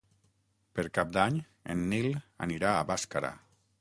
Per Cap d'Any en Nil anirà a Bàscara.